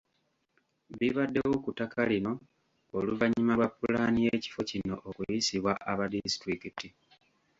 Bibaddewo ku ttaka lino oluvannyuma lwa pulaani y’ekifo kino okuyisibwa aba disitulikiti.